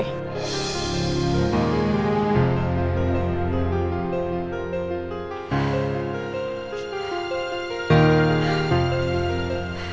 aku mau ke rumah